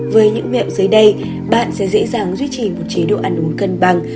với những mẹo dưới đây bạn sẽ dễ dàng duy trì một chế độ ăn uống cân bằng